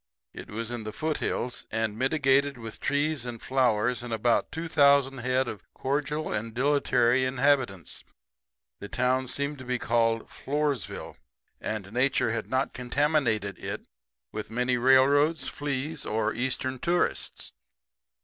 It was in the foothills, and mitigated with trees and flowers and about 2,000 head of cordial and dilatory inhabitants. The town seemed to be called Floresville, and Nature had not contaminated it with many railroads, fleas or Eastern tourists.